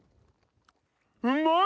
うまい！